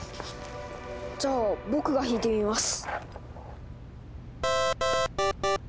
じゃあ僕が弾いてみます。